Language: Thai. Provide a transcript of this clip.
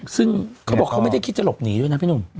ซึ่งเขาบอกเขาไม่ได้คิดจะหลบหนีด้วยนะพี่หนุ่ม